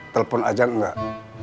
telepon aja nggak